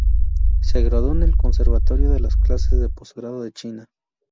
Se graduó en el Conservatorio de las clases de postgrado de China.